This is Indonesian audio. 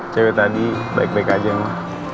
cewek tadi baik baik aja yang